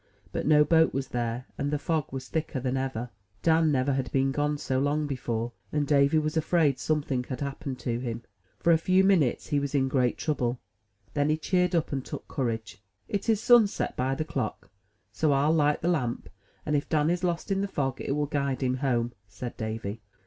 But no boat was there, and the fog was thicker than ever. Dan never had been gone so long before, and Davy was afraid something had happened to him. For a few minutes he was in great trouble; then he cheered up, and took courage. "It is sunset by the clock; so FU light the lamp, and, if Dan is lost in the fog, it will guide him home," said Davy.